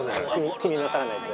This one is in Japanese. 気になさらないで。